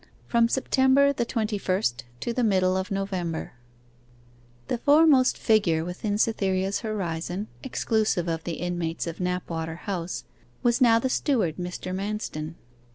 FROM SEPTEMBER THE TWENTY FIRST TO THE MIDDLE OF NOVEMBER The foremost figure within Cytherea's horizon, exclusive of the inmates of Knapwater House, was now the steward, Mr. Manston.